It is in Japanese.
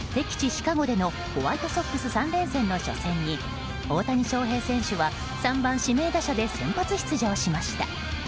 シカゴでのホワイトソックス３連戦の初戦に大谷翔平選手は３番指名打者で先発出場しました。